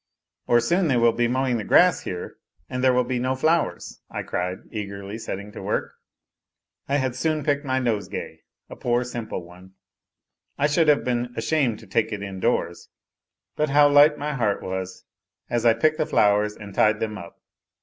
" Or soon they will be mowing the grass here and there will bo no flowers," I cried, eagerly setting to work. I had soon picked my nosegay, a poor, simple one, I should have been ashamed to take it indoors ; but how light my heart was as I picked the flowers and tied them up